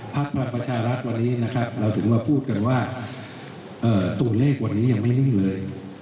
พลังประชารัฐวันนี้นะครับเราถึงมาพูดกันว่าตัวเลขวันนี้ยังไม่นิ่งเลย